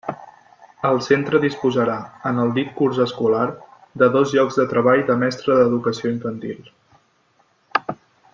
El centre disposarà, en el dit curs escolar, de dos llocs de treball de mestre d'Educació Infantil.